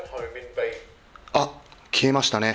あっ、消えましたね。